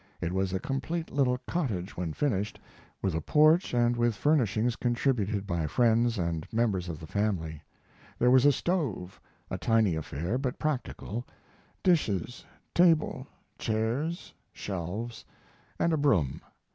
It was a complete little cottage when finished, with a porch and with furnishings contributed by friends and members of the family. There was a stove a tiny affair, but practical dishes, table, chairs, shelves, and a broom.